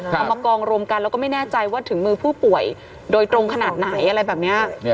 เอามากองรวมกันแล้วก็ไม่แน่ใจว่าถึงมือผู้ป่วยโดยตรงขนาดไหนอะไรแบบนี้